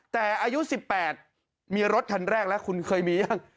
แต่อายุ๑๘มีรถคันแรกแล้วคุณเคยมียัง